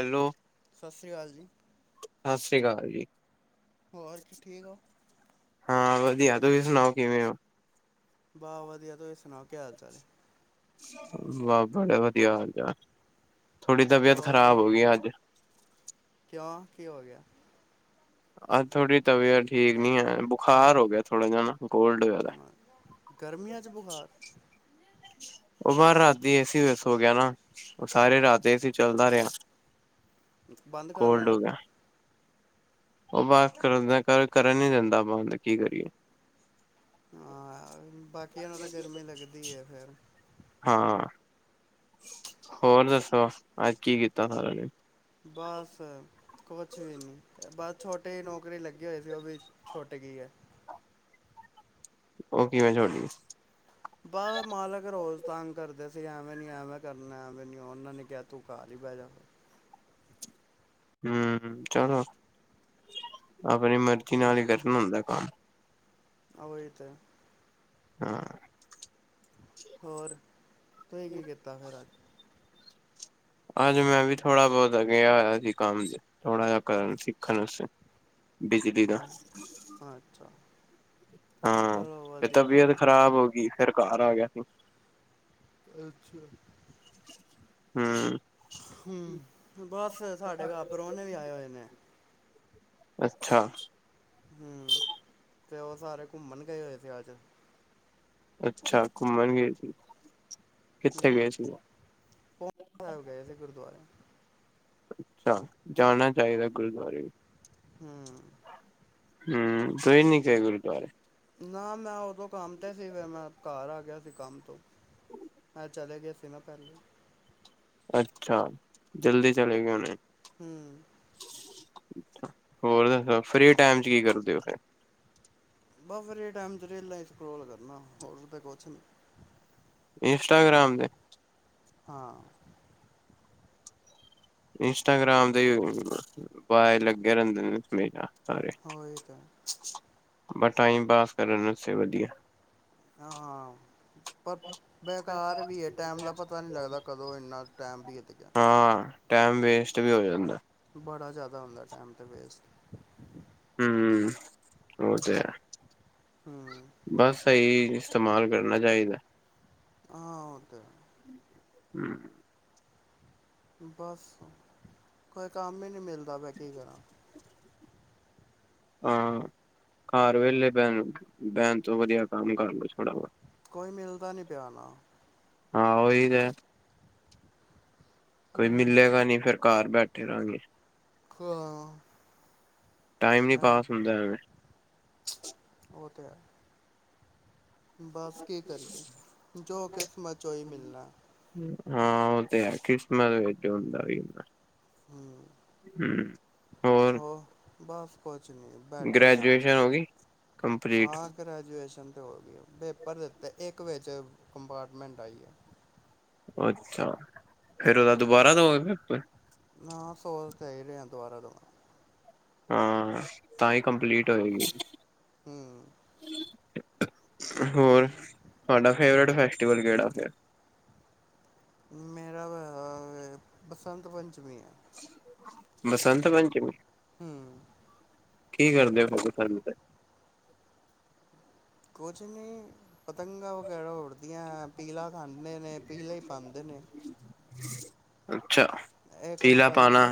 Hello ਸਤਿ ਸ੍ਰੀ ਅਕਾਲ ਜੀ ਸਤਿ ਸ਼੍ਰੀ ਅਕਾਲ ਜੀ ਹੋਰ ਕੀ ਠੀਕ ਹੋ ਹਾਂ ਵਧੀਆ ਤੁਸੀਂ ਸੁਣਾਓ ਕਿਵੇਂ ਹੋ ਬਾਹ ਵਧੀਆ ਤੁਸੀਂ ਸੁਣਾਓ ਕੀ ਹਾਲ ਚਾਲ ਹੈ ਵ ਬੜਾ ਵਧੀਆ ਹਾਲ ਚਾਲ ਥੋੜ੍ਹੀ ਤਬੀਅਤ ਹੋਰ ਖਰਾਬ ਕੀ ਹੋ ਗਈ ਅੱਜ ਕਿਉਂ ਕੀ ਹੋ ਗਿਆ ਅੱਜ ਥੋੜੀ ਤਬੀਅਤ ਠੀਕ ਨੀ ਹੈ ਬੁਖਾਰ ਹੋ ਗਿਆ ਥੋੜਾ ਜਾ ਗਰਮੀਆਂ ਚ ਬੁਖਾਰ ਉਹ ਬਾਹਰ ਰਾਤੀ ਏਸੀ ਵਿੱਚ ਸੋ ਗਿਆ ਸਾਰੀ ਰਾਤ ਏਸੀ ਚੱਲਦਾ ਰਿਹਾ ਬੰਦ ਕਰ ਕੋਲਡ ਲੈਣਾ ਹੋ ਗਿਆ ਉਹ ਬਸ ਕਰ ਕਰ ਕਰਨ ਨੀ ਦਿੰਦਾ ਕੀ ਕਰੀਏ ਹਾਂ ਬਾਕੀਆਂ ਨੂੰ ਤਾਂ ਗਰਮੀ ਲੱਗਦੀ ਹੈ ਫਿਰ ਹਾਂ ਹੋਰ ਦੱਸੋ ਅੱਜ ਕੀ ਕੀਤਾ ਸਾਰਾ ਦਿਨ ਬਸ ਕੁਛ ਵੀ ਨੀ ਬਸ ਛੋਟੇ ਨੌਕਰੀ ਲੱਗੇ ਕੀ ਹੋਏ ਸੀ ਉਹ ਵੀ ਛੋਟੇ ਗਈ ਹੈ ਉਹ ਕਿਵੇਂ ਛੋਟੀ ਬਸ ਮਾਲਕ ਰੋਜ਼ ਤੰਗ ਕਰਦੇ ਸੀ ਐਵੇਂ ਨੀ ਐਵੇਂ ਕਰਨਾ ਐਵੇਂ ਨੀ ਉਹਨਾਂ ਨੇ ਕਿਹਾ ਤੂੰ ਖ ਹੀ ਬਹਿ ਜਾ ਹਮ ਚਲੋ ਆਪਣੀ ਮਰਜ਼ੀ ਨਾਲ ਹੀ ਕਰਨ ਹੁੰਦਾ ਕੰਮ ਹੋਈ ਤੇ [inaudible] ਹੋਰ ਤੁਹੀ ਕੀ ਕੀਤਾ ਫਿਰ ਅੱਜ ਅੱਜ ਮੈਂ ਵੀ ਥੋੜਾ ਬੋਹਤ ਅੱਗੇ ਹੋਇਆ ਸੀ ਕੰਮ ਥੋੜਾ ਜਿਹਾ ਕਰਨ ਸਿੱਖਣ ਵਾਸਤੇ ਬਿਜਲੀ ਦਾ ਹੈਂ ਅੱਛਾ ਹਾਂ ਚਲੋ ਤੇ ਵਧੀਆ ਤਬੀਅਤ ਖ਼ਰਾਬ ਹੋ ਗਈ ਫਿਰ ਘਰ ਆ ਗਿਆ ਸੀ ਅੱਛਾ ਹਮ ਹਮ ਬਸ ਸਾਡੇ ਘਰ ਪਰੋਣੇ ਵੀ ਆਏ ਹੋਏ ਨੇ ਅੱਛਾ ਹਮ ਤੇ ਉਹ ਸਾਰੇ ਘੁੰਮਣ ਗਏ ਹੋਏ ਸੀ ਅੱਜ ਅੱਛਾ ਘੁੰਮਣ ਗਏ ਸੀ ਕਿੱਥੇ ਹੂੰ ਗਏ ਸੀਗੇ ਸਾਹਿਬ ਗਏ ਸੀੇ ਗੁਰੂਦੁਆਰੇ- ਅੱਛਾ ਜਾਣਾ ਚਾਹੀਦਾ ਗੁਰੂਦੁਆਰੇ [inaudible] ਹਮ ਤੁ ਇਹ ਨੀ ਕ ਗੁਰੂਦੁਵਰੇ ਨਾ ਮੈਂ ਉਦੋਂ ਕੰਮ ਤਾਂ ਸੀ ਫਿਰ ਮੈਂ ਘਰ ਆ ਗਿਆ ਸੀ ਕੰਮ ਤੋਂ ਮੈਂ ਚਲੇ ਗਏ ਸੀ ਮੈਂ ਪਹਿਲੇ ਅੱਛਾ ਜਲਦੀ ਚਲੇ ਗਏ ਉਹਨੇ ਹਮ ਹੋਰ ਦੱਸੋ ਫ੍ਰਰੀ ਟਾਈਮ ਚ ਕੀ ਕਰਦੇ ਉ ਫੇਰ ਬਸ ਵਰੇ ਟਾਈਮ ' ਰੇਲਾ ਸਕਰੋਲ ਕਰਨਾ ਹੋਰ ਤਾਂ ਕੁਛ ਨਹੀਂ ਇੰਸਟਾਗ੍ਰਾਮ ਤੇ ਹਾਂ ਇੰਸਟਾਗ੍ਰਾਮ ਦੇ ਵਏ ਲੱਗੇ ਰਹਿੰਦੇ ਨੇ ਨਾ ਸਾਰੇ ਉਹੀ ਤਾਂ ਬ ਟਾਈਮ ਪਾਸ ਕਰਨ ਉਸੇ ਵਧੀਆ ਹਾਂ ਹਾਂ ਪਰ ਬੇਕਾਰ ਵੀ ਹੈ ਟਾਈਮ ਦਾ ਪਤਾ ਨਹੀਂ ਲੱਗਦਾ ਕਦੋਂ ਇੰਨਾ ਟਾਈਮ ਵੀ ਹੈ ਤੇ ਹਾਂ ਟਾਈਮ ਵੇਸਟ ਵੀ ਹੋ ਜਾਂਦਾ ਬੜਾ ਜ਼ਿਆਦਾ ਆਦਾ ਟਾਈਮ ਦੇਤੇ ਵੇਸਟ ਹਮ ਉਹ ਤੇ ਹੂੰ ਬਸ ਸਹੀ ਇਸਤੇਮਾਲ ਕਰਨਾ ਚਾਹੀਦਾ ਹਾਂ ਉਹ ਤੇ ਹਮ [unintelligible] ਬਸ ਕੋਈ ਕੰਮ ਹੀ ਨਹੀਂੀ ਮਿਲਦਾ ਵੈਂ ਕੀ ਕਰਾਂ ਹਾਂ ਘਰ ਵੇਹਲੇ ਬੈਣ ਬੈਣ ਤੋਂ ਵਧੀਆ ਕੰਮ ਕਰ ਲ ਥੋੜ੍ਹਾ ਵ ਕੋਈ ਮਿਲਦਾ ਨੀ ਪਿਆ ਨਾ ਹਾਂ ਉਹੀ ਤੇ ਹੈ ਕੋਈ ਮਿਲਲੇਗਾ ਨਹੀਂੀ ਫੇਿਰ ਘਰ ਬੈਠੇ ਰਹਾਂਗੇ ਹਾਂ ਟਾਈਮ ਨੀ ਪਾਸ ਹੁੰਦਾ ਐਵੇਂ ਹੋਤ ਬਸ ਕੀ ਕਰੀਏ ਜੋ ਕਿਸਮਾਂ ਚੋ ਹੀ ਮਿਲਣਾ ਹਾਂ ਉਹ ਤੇ ਹੈ ਖਿਸਮਸ ਵ ਹੁੰਦਾ ਵੀ ਹੁੰਦਾ ਹੂੰ ਹਮ [unintelligible] ਹੋਰ ਹੋ ਬਸ ਕੁਛ ਨੀ ਬੈਠੇ ਹ ਗ੍ਰੈਜੂਏਸ਼ਨ ਹੋ ਗਈ ਕੰਪਲੀਟ ਹਾਂ ਗ੍ਰੈਜੂਏਸ਼ਨ ਪੇਪਰ ਦਿੱਤੇ ਇੱਕ ਵ ਕਪਾਰਟਮੈਂਟ ਆਈਆ ਅੱਛਾ ਫੇਿਰ ਉਹਦਾ ਦੁਬਾਰਾ ਤੋਂ ਹੋਪਰ ਸ ਤੇ ਦੁਬਾਰ ਦ ਹਾਂ ਤਾਂ ਹੀ ਕੰਪਲੀਟ ਹੋਏਗੀ ਹਮ [inaudible] ਹੋਰ ਤੁਹਾਡਾ ਫੇਵਰੇਟ ਹੈ ਫੈਸਵ ਕਿਹੜਾ ਫਿਰ ਮੇਰਾ ਬਸੰਤ ਪੰਚਮੀ ਹੈ ਬਸੰਤ ਪ ਪੰਚਮੀ ਹਮ ਕੀ ਕਰਦੇ ਹੋ ਭਾਬੂ ਸਾਨੂੰ ਤੇ ਕੋਚਿੰ ਨੇ ਪਤੰਗਾਂ ਵਗੈਰਾ ਉੱਡਦੀਆਂ ਪੀਲਾ ਖਾਂਦੇ ਨੇ ਪੀਲੇ ਹੀ ਪਾਉਦੇ ਨੇ ਅੱਛਾ ਅੱਛਾ ਇੱਕ ਪੀਲਾ ਬਸੰਤ ਪਾਣਾ ਪ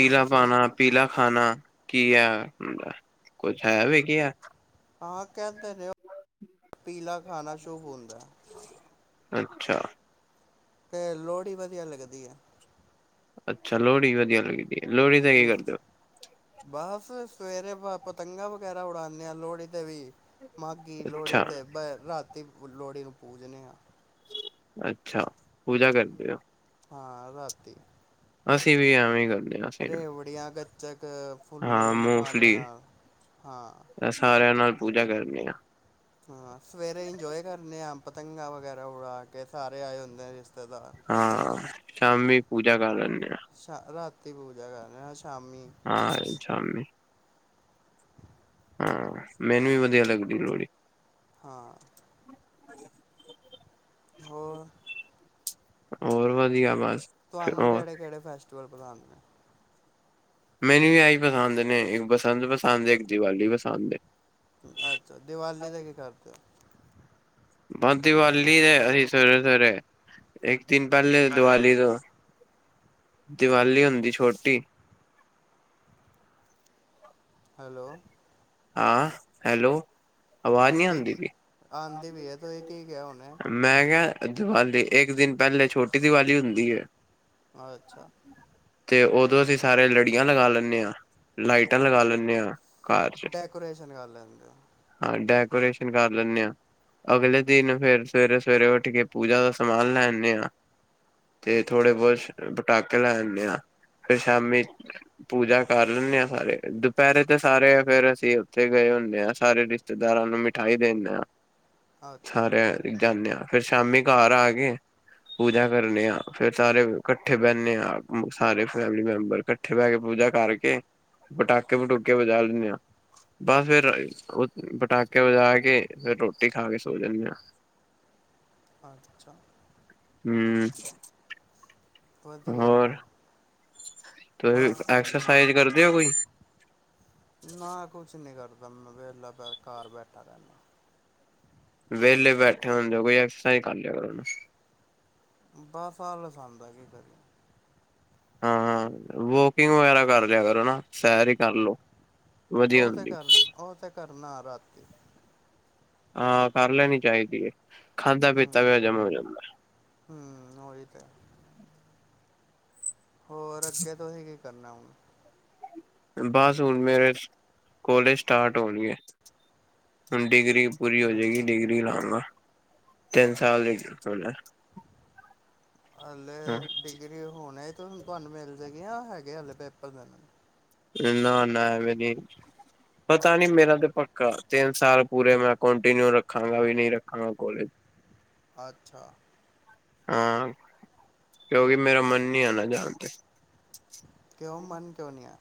ਇੱਕ ਬਸੰਤ ਪਾਣਾ ਪੀਲਾ ਖਾਣਾ ਕੀ ਆ ਹਦਾ ਕੁਛ ਹੈ ਵੀਖ ਆ ਆਹ ਕਹਿੰਦੇ ਰ ਹੋ ਪੀਲਾ ਖਾਣਾ ਸ਼ੌਕ ਹੁੰਦਾ ਅੱਛਾ ਤੇ ਲੋਹੜੀ ਵਧੀਆ ਲੱਗਦੀ ਹੈ ਅੱਛਾ ਲੋਹੜੀ ਵਧੀਆ ਲੱਦੀ ਲੋਹੜੀ ਦਾ ਕੀ ਕਰ ਦਿਓ ਬਸ ਸਵੇਰੇ ਪਤੰਗਾਂ ਵਗੈਰਾ ਉਡਾਉਂਦੇ ਹਾਂ ਲੋਹੜੀ ਦੇ ਵੀ ਮਾਘਗੀ ਲੋਹੜੀ ਅੱਛਾ ਅਤੇ ਰਾਤੀ ਲੋਹੜੀ ਨੂੰ ਪੂਜਦੇ ਹਾਂ ਅੱਛਾ ਪੂਜਾ ਕਰਦੇਓ ਹਾਂ ਰਾਤੀ ਅਸੀਂ ਵੀ ਐਵੇਂ ਗੱਲ ਅਰੇ ਵੜੀਆ ਗ ਚੈੱਕ ਹਾਂ ਫੁੱਲੇ ਮਖਾਣਿਆਂ ਮੂੰਗਫਲੀ ਨਾਲ ਹਾਂ ਸਾਰਿਆਂ ਨਾਲ ਪੂਜਾ ਕਰਨੀ ਆ ਹਾਂ ਸਵੇਰੇ ਇੰਜੋਏ ਕਰਨੇ ਆ ਪਤੰਗਾਂ ਵਗੈਰਾ ਹੋਾ ਕੇ ਸਾਰੇ ਆਏ ਹੁੰਦੇ ਰਿਸ਼ਤੇਦਾਰ। ਹਾਂ ਸ਼ਾਮੀ ਪੂਜਾ ਕਾਲ ਸ਼ ਰਾਤ, ਬਹੁ ਜਗਾ [unintelligible] ਹਾਂ ਸ਼ਾਮੀ, ਹਾਂ ਮੈਨੂੰ ਵੀ ਵਧੀਆ ਲੱਗਦੀ ਐ ਲੋੜੀ, ਹਾਂ, ਹ [unintelligible] ਹੋਰ? ਹੋਰ ਵਧੀਆ ਬਸ, ਤੁਹਾਨੂੰ ਕਿਹੜੇ-ਕਿਹੜੇ ਫੈਸਟੀਵਲ ਪਸੰਦ ਐ? ਮੈਨੂੰ ਵੀ ਆਹੀ ਪਸੰਦ ਨੇ ਇੱਕ ਬਸੰਤ ਪਸੰਦ ਇੱਕ ਦੀਵਾਲੀ ਪਸੰਦ ਐ। ਅੱਛਾ ਦੀਵਾਲੀ ਦਾ ਕੀ ਕਰਦੇ ਔ? ਬਸ ਦੀਵਾਲੀ ਦੇ ਅਸੀਂ ਸਵੇਰੇ ਸਵੇਰੇ, ਇੱਕ ਦਿਨ ਪਹਿਲੇ ਦੀਵਾਲੀ ਤੋਂ, ਦੀਵਾਲੀ ਹੁੰਦੀ ਛੋਟੀ, ਹੈਲੋ, ਹਾਂ ਹੈਲੋ, ਆਵਾਜ਼ ਨਹੀਂ ਕੀ ਆਉਂਦੀ ਪਈ। ਆਂਦੀ ਪੀਆ ਤੁਸੀ ਕੀ ਕਿਹਾ ਹੁਨੇ, ਮੈਂ ਕਿਹਾ ਦੀਵਾਲੀ ਇੱਕ ਦਿਨ ਪਹਿਲੇ ਛੋਟੀ ਦੀਵਾਲੀ ਹੁੰਦੀ ਹੈ। ਅੱਛਾ। ਤੇ ਉਦੋਂ ਅਸੀਂ ਸਾਰੇ ਲੜੀਆਂ ਲਗਾ ਲੈਂਨੇ ਆ ਲਾਈਟਾਂ ਲਗਾ ਲੈਂਦੇ ਆ। ਘਰ ਚ ਡਕੋਰੇਸ਼ਨ ਕਰ ਲੈਂਦੇ ਔ। ਹਾਂ ਡੈਕੋਰੇਸ਼ਨ ਕਰ ਲੈਂਦੇ ਹਾਂ, ਅਗਲੇ ਦਿਨ ਫੇਰ ਸਵੇਰੇ, ਸਵੇਰੇ ਉੱਠ ਕੇ ਪੂਜਾ ਦਾ ਸਮਾਨ ਲੈਣੇ ਆ ਤੇ ਥੋੜੇ ਅੱਛਾ ਬਹੁਤ ਸ਼ਕ ਪਟਾਕੇ ਲੈ ਲੈਂਦੇ ਆ ਫੇਰ ਸ਼ਾਮੀ ਪੂਜਾ ਕਰ ਲੈਂਦੇ ਆ ਸਾਰੇ ਫੇਰ ਦੁਪਹਿਰੇ ਤੇ ਸਾਰੇ ਫੇਰ ਅਸੀਂ ਉੱਥੇ ਗਏ ਹੁੰਦੇ ਹਾਂ ਸਾਰੇ ਰਿਸ਼ਤੇਦਾਰਾਂ ਨੂੰ ਮਿਠਾਈ ਦਿੰਦੇ ਹਾਂ। ਅੱਛਾ ਸਾਰੇ ਜਾਨੇ ਆ ਫਰ ਸ਼ਾਮੀ ਘਰ ਆ ਕੇ ਪੂਜਾ ਕਰਨੇ ਆ ਫੇਰ ਸਾਰੇ ਇਕੱਠੇ ਬਹਿੰਨੇ ਆ ਸਾਰੇ ਫੈਮਲੀ ਮੈਂਬਰ ਇਕੱਠੇ ਬਹਿ ਕੇ ਪੂਜਾ ਕਰਕੇ ਪਟਾਕੇ ਪਟੂਕੇ ਵਜਾ ਲੈਂਦੇ ਆ ਬਸ ਫਿਰ ਪਟਾਕੇ ਵੱਜਾ ਕੇ ਫਿਰ ਰੋਟੀ ਖਾ ਕੇ ਸੋ ਜਾਨੇ ਆ ਅੱਛਾ ਹੂੰ, ਵਧੀਆ ਹੋਰ ਤੁਸੀਂ ਬਸ ਕੁਛ ਐਕਸਰਸਾਈਜ਼ ਨਹੀਂ ਕਰਦੇ ਹੋ ਕੋਈ? ਮੇ ਵਹਿਲਾ ਘਰ ਬੈਠਾ ਰਹਿੰਦਾ। ਵੇਹਲੇ ਬੈਠੇ ਹੁੰਦੇ ਕੋਈ ਐਕਸਾਈਜ ਕਰ ਲਿਆ ਕਰੋ। ਬਸ ਆਲਸ ਆਣ ਦਾ ਕੀ ਕਰੇ। ਹਾਂ, ਹਾਂ ਵੋਕਿੰਗ ਵਗੈਰਾ ਕਰ ਲਿਆ ਕਰੋ ਨਾ ਸੈਰ ਹੀ ਕਰ ਲੋ ਵਧੀਆ ਉਹ ਤੇ ਹੁੰਦੀ ਕਰਨ ਉਹ ਤੇ ਕਰਨਾ ਆ ਰਾਤੀ ਹਾਂ ਕਰ ਲੈਣੀ ਚਾਹੀਦੀ ਹੈ। ਖਾਧਾ ਹਮ, ਪੀਤਾ ਵੀ ਹਜਮ ਹੋ ਜਾਂਦਾ ਹਮ ਉਹਹੀ ਤੇ ਹੈ। ਹੋਰ ਅੱਗੇ ਤੁਸੀਂ ਕਰਨਾ ਹੁਣ ਬਸ ਹੁਣ ਮੇਰੇ ਕੋਲੇਜ ਸਟਾਰਟ ਹੋਣਗੇ। ਹਮ ਡਿਗਰੀ ਪੂਰੀ ਹੋ ਜਾਏਗੀ। ਅੱਛਾ ਡਿਗਰੀ ਨਾਲ ਨਾ ਤਿਨ ਸਾਲ ਦੀ ਹੋਈ ਨਾ ਹਲੇ ਡਿਗਰੀ ਹੋਣੇ ਹੂਨ ਤੁਹਾਨੂੰ ਮਿਲ ਜੇ ਗੀ ਹੈ ਹਜੇ ਹਲੇ ਪੇਪਰ ਚਲਨੇ ਨਾ, ਨਾ ਐਵੇ ਨਹੀਂ ਪਤਾ ਨੀ ਮੇਰਾ ਤੇ ਪੱਕਾ ਤਿੰਨ ਸਾਲ ਪੂਰੇ ਮੈਂ ਕੰਟੀਨਿਊ ਰੱਖਾਂਗਾ ਵੀ ਨਹੀਂ ਰੱਖਾਂਗਾ ਕੋਲੇਜ ਅੱਛਾ। ਹਾਂ। ਕਿਉਂਕਿ ਹੂੰ ਮੇਰਾ ਮਨ ਨਹੀਂ ਆਨਾ ਜਣ ਅੱ [inaudible] ਕਿਉਂ ਮਨ ਕਿਉਂ ਨੀ ਹੈ।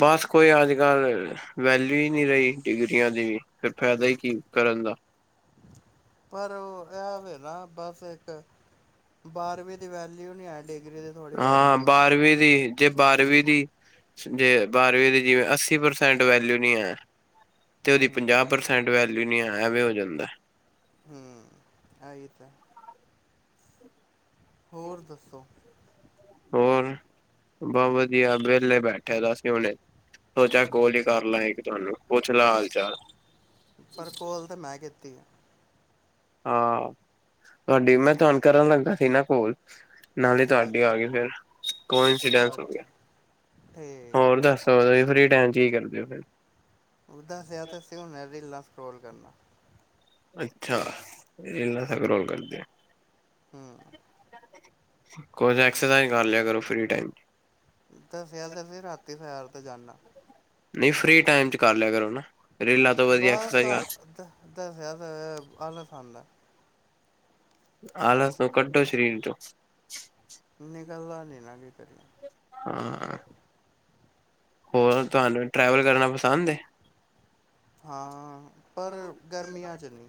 ਬਸ ਕੋਈ ਅੱਜ ਕੱਲ੍ਹ ਵੈਲਊ ਹੀ ਨਹੀਂ ਰਹੀ ਡਿਗਰੀਆਂ ਦੀ ਵੀ ਫਿਰ ਫਾਇਦਾ ਹੀ ਕੀ ਕਰਨ ਦਾ। ਪਰ ਉਹ ਇਹ ਵੇ ਨਾ। ਬਸ ਇੱਕ ਬਾਰਵੀਂ ਦੀ ਵਾ ਨੀ ਹੈ ਡਿਗਰੀ ਦੀ ਥੋੜੀ ਹਾਂ ਵੈਲਿਊ ਹੈ। ਬਾਰਵੀਂ ਦੀ ਜੇ ਬਾਰਵੀਂ ਦੀ, ਜੇ ਬਾਰਵੀਂ ਦੀ ਜਿਵੇਂ ਅੱਸੀ ਪ੍ਰਸੈਂਟ ਵੈਲਊ ਨੀ ਹੈ। ਤੇ ਉਹਦੀ ਹੂੰ ਪੰਜਾਹ ਪ੍ਰਸੈਂਟ ਵੈ ਨੀ ਹੈ ਐਵੇਂ ਹੋ ਜਾਂਦਾ। ਹ ਐ ਈ ਤੇ। ਹੋਰ ਦੱਸੋ। ਹੋਰ ਬਹੁਤ ਵਧੀਆ ਵਿਹਲੇ ਬੈਠਿਆ ਤਾਂ ਸੀ ਉਹਨੇ ਸੋਚਿਆ ਕੋਲ ਹੀ ਕਰ ਲੈ ਇੱਕ ਤੁਹਾਨੂੰ ਪੁੱਛ ਲੈ ਹਾਲ ਚਾਲ। ਪਰ ਕੋਲ ਤੇ ਮੈਂ ਕੀ ਟੀ ਹੈ। ਹਾਂ ਤੁਹਾਡੀ ਮੈਂ ਤੁਹਾਨ ਕਰਨ ਲੱਗਾ ਸੀ ਨਾ ਕੋਲ। ਨਾਲੇ ਤੁਹਾਡੀ ਆ ਅੱਛਾ ਗਈ ਫੇਰ ਕੋ ਇੰਸੀਡੈਂਸ ਹੋ ਗਿਆ ਅੱਛਾ ਠੀਕ ਹੈ ਹੋਰ ਦੱਸੋ ਤੁਸੀਂ ਫਿ ਚ ਕੀ ਕਰਦੇ ਹੋ ਫਿਰ। ਦਾਸਿਆ ਤੇ ਸੀ ਹੁਣੇ ਵੇਲਾ ਰੋਲ ਕਰਨਾ। ਅੱਛਾ ਇਨਾ ਸਕਰੋਲ ਕਰਦੇ। ਹਮ। ਕੁਛ ਐਕਸਰਸਾਈਜ਼ ਕਰ ਲਿਆ ਕਰੋ ਫ੍ਰੀ ਟਾਈਮ। ਦੱਸਿਆ ਤੇ ਸੀ ਰਾਤੀ ਸੈਰ ਤੇ ਜਾਨਾ। ਨਹੀਂ ਫ੍ਰੀ ਟਾਈਮ ਚ ਕਰ ਲਿਆ ਕਰੋ ਨਾ। ਰੀਲਾਂ ਤੋਂ ਵਧੀਆ ਬਸ ਐਕਸਰਸਾਈਜ਼ ਤਾਂ ਕਰ, ਦ ਦੱਸਿਆ ਤੇ ਆਲਸ ਆਂਦਾ। ਆਲਸ ਨੂੰ ਕੱਢੋ ਸਰੀਰ ਚੋਂ। ਨਕਲਦਾ ਨਹੀਂ ਨਾ ਕੀ ਕਰੀ ਹਾਂ। ਹੋਰ ਤੁਹਾਨੂੰ ਟਰੈਵਲ ਕਰਨਾ ਪਸੰਦ ਏ। ਹਾਂ ਪਰ ਗਰਮੀਆਂ ਚ ਨਹੀਂ।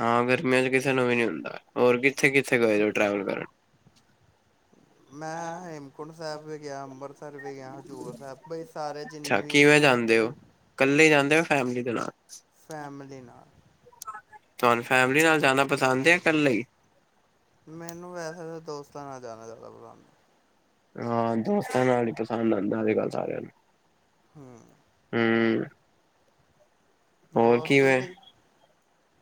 ਹਾਂ ਗਰਮੀਆਂ ਚ ਕਿਸੇ ਨੂੰ ਵੀ ਨੀ ਹੁੰਦਾ ਹੋਰ ਕਿੱਥੇ-ਕਿੱਥੇ ਗਏ ਉ ਟਰੈਵਲ ਕਰਨ। ਮੈਂ ਹੇਮਕੁੰਟ ਸਾਹਿਬ ਵੀਂ ਗਿਆ ਅੰਬਰ ਸਰ ਵੀ ਗਿਆ ਹਜ਼ੂਰ ਸਾਹਿਬ ਬਾਈ ਸਾਰੇ ਜਿੰਨੇ ਅੱਛਾ ਵੀ ਯਾ ਫੈਮਲੀ ਦੇ ਨਾਲ। ਫੈਮਲੀ ਨਾਲ। ਤੁਹਾਨੂੰ ਫੈਮਲੀ ਨਾਲ ਜਾਣਾ ਪਸੰਦ ਏ ਜਾਂ ਕੱਲੇ ਈ? ਮੈਨੂੰ ਵੈਸੇ ਤਾਂ ਦੋਸਤਾਂ ਨਾਲ। ਜਾਣਾ ਜਾਦਾ [unintelligible] ਹਾਂ ਦੋਸਤਾਂ ਨਾਲ ਹੀ ਪਸੰਦ ਆਉਂਦਾ ਅਜ ਕੱਲ੍ਹ ਸਾਰਿਆਂ ਨੂੰ। ਹਮ ਹਮ ਹੋਰ ਕਿਵੇਂ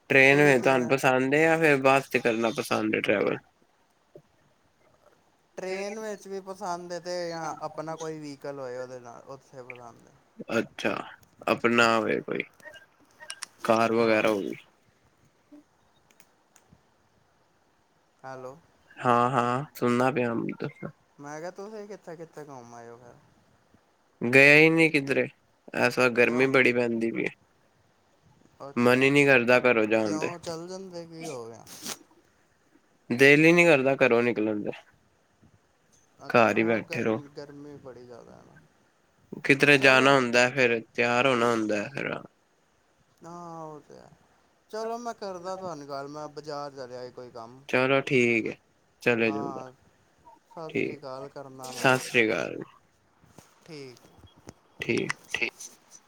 ਟ੍ਰੇਨ ਤੁਸੀਂ ਵੀ ਤੁਹਾਨੂੰ ਕਿਵੇਂ ਪਸੰਦ ਹੈ ਜਾਂ ਫਿਰ ਬਸ ਕਰਨਾ ਪਸੰਦ ਹੈ ਟ੍ਰੈਵਲ। ਟ੍ਰੇਨ ਵਿੱਚ ਵੀ ਪਸੰਦ ਹੈ ਤੇ ਆਪਣਾ ਕੋਈ ਵੀਹੀਕਲ ਹੋਏ ਉਹਦੇ ਨਾਲ ਉਥੇ ਪਸੰਦ ਹੈ। ਅੱਛਾ ਆਪਣਾ ਹੋਵੇ ਕੋਈ। ਕਾਰ ਹਾਂ। ਵਗੈਰਾ ਹੋ ਗਈ। ਹਮ ਹੈਲੋ ਹਾਂ-ਹਾਂ ਸੁਣਨਾ ਪਿਆ ਦੱਸੋ। ਮੈਂ ਕਿਹਾ ਤੁਸੀਂ ਕਿੱਥੇ-ਕਿੱਥੇ ਘੁੰਮ ਆਏ ਓ ਫਿਰ? ਗਿਆ ਹੀ ਨਹੀਂ ਕਿਧਰੇ। ਐਸ ਵ ਗਰਮੀ ਕਿਉਂ ਬੜੀ ਪੈਂਦੀ ਪਈ ਐ। ਅੱਛਾ ਘਰੋਂ ਜਾਣ ਤੇ ਕਿਉ ਚੱਲ ਜਾਂਦੇ ਕੀ ਹੋ ਗਿਆ। ਦਿਲ ਹੀ ਨੀ ਕਰਦਾ ਘਰੋਂ ਨਿਕਲਣ ਦਾ। ਘਰ ਹੀ ਹਾਂ ਬੈਠੇ ਰਹੋ ਗਰਮੀ ਗਰਮੀ ਬੜੀ ਜ਼ਿਆਦਾ ਹੈ ਨਾ। ਕਿਧਰੇ ਚਲੋ ਜਾਣਾ ਹੁੰਦਾ ਫੇਰ ਤਿਆ ੋ ਨਾ ਹੁੰਦਾ ਹੈ ਫ ਹਾਂ ਉਹ ਤੇ ਚਲੋ ਮੈਂ ਕਰਦਾ ਤੁਹਾਨੂੰ ਗੱਲ ਮੈਂ ਬਾਜ਼ਾਰ ਚ ਰਿਿਆ ਇੱਕ ਚਲੋ ਠੀਕ ਹੈ ਚਲੇ ਜੂਗਾ ਹਾਂ। ਸਤਿ ਸ਼੍ਰੀ ਠੀਕ ਅਕਾਲ ਕਰਨਾ ਮੈਂ ਸਤਿ ਤੁਹਾਨੂੰ ਸ੍ਰੀ ਅਕਾਲ ਠੀਕ ਠੀਕ